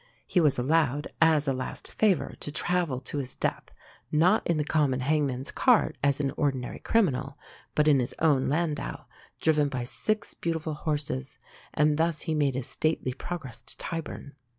He was allowed, as a last favour, to travel to his death, not in the common hangman's cart as an ordinary criminal, but in his own landau, drawn by 'six beautiful horses; and thus he made his stately progress to Tyburn.